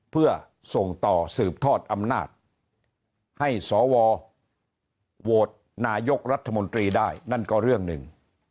เพื่อส่งต่อสืบทอดอำนาจให้สวโหวตนายกรัฐมนตรีได้นั่นก็เรื่องหนึ่ง